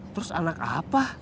terus anak apa